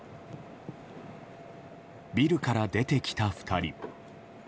ビルから出てきた２人。